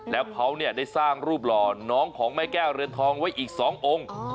แล้วเขาได้สร้างรูปหล่อน้องของแม่แก้วเรือนทองไว้อีก๒องค์